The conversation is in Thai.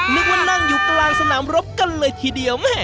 นึกว่านั่งอยู่กลางสนามรบกันเลยทีเดียว